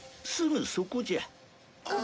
すぐそこじゃ。